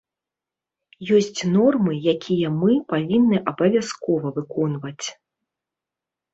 Ёсць нормы, якія мы павінны абавязкова выконваць.